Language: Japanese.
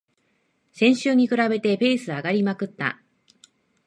先週に比べてペース上がりまくった